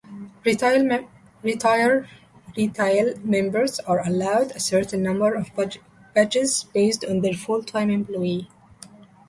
Retail Members are allowed a certain number of badges based on their full-time employees.